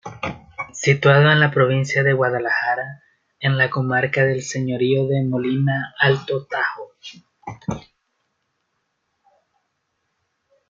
Situado en la provincia de Guadalajara, en la comarca del Señorío de Molina-Alto Tajo.